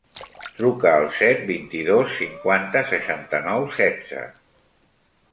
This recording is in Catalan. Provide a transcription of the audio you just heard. Truca al set, vint-i-dos, cinquanta, seixanta-nou, setze.